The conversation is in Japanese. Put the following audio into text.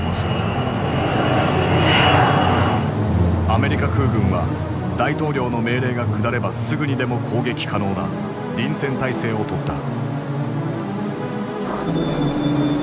アメリカ空軍は大統領の命令が下ればすぐにでも攻撃可能な臨戦態勢を取った。